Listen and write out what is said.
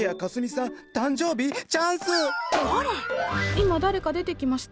今誰か出てきました？